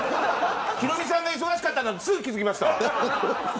ヒロミさんが忙しかったからすぐ気付きました。